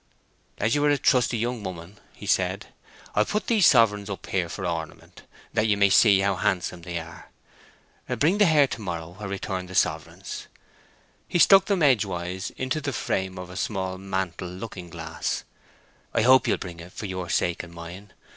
"As you are a trusty young woman," he said, "I'll put these sovereigns up here for ornament, that you may see how handsome they are. Bring the hair to morrow, or return the sovereigns." He stuck them edgewise into the frame of a small mantle looking glass. "I hope you'll bring it, for your sake and mine.